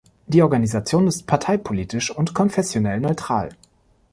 Die Organisation ist parteipolitisch und konfessionell neutral.